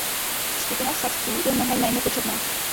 Skupina savců je mnohem méně početná.